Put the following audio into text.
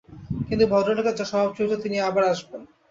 কিন্তু ভদ্রলোকের যা স্বভাব-চরিত্র, তিনি আবার আসবেন!